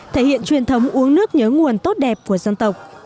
thể hiện truyền thống uống nước nhớ nguồn tốt đẹp của dân tộc